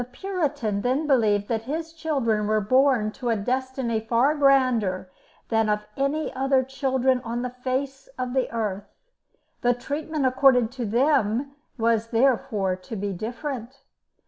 The Puritan then believed that his children were born to a destiny far grander than that of any other children on the face of the earth; the treatment accorded to them was therefore to be different.